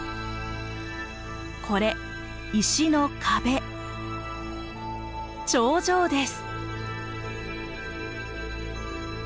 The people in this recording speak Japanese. これ石の壁長城です！